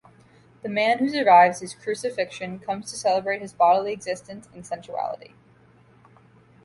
The man who survives his crucifixion comes to celebrate his bodily existence and sensuality.